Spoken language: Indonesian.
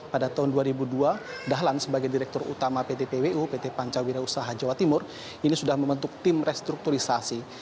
pada tahun dua ribu dua dahlan sebagai direktur utama pt pwu pt pancawira usaha jawa timur ini sudah membentuk tim restrukturisasi